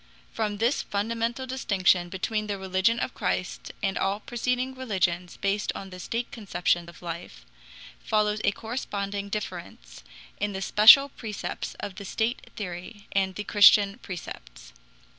From this fundamental distinction between the religion of Christ and all preceding religions based on the state conception of life, follows a corresponding difference in the special precepts of the state theory and the Christian precepts.